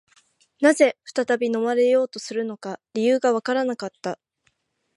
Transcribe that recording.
何故再び飲まれようとするのか、理由がわからなかった